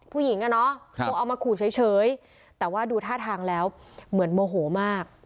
ผู้หญิงอ่ะเนาะคงเอามาขู่เฉยแต่ว่าดูท่าทางแล้วเหมือนโมโหมาก